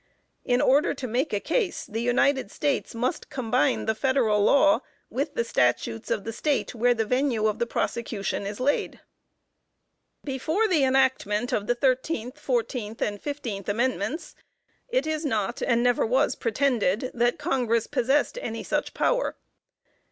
In order to make a case, the United States must combine the federal law with the statutes of the State where the venue of the prosecution is laid. Before the enactment of the 13th, 14th and 15th Amendments, it is not, and never was pretended, that Congress possessed any such power.